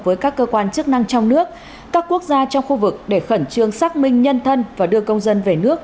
với các cơ quan chức năng trong nước các quốc gia trong khu vực để khẩn trương xác minh nhân thân và đưa công dân về nước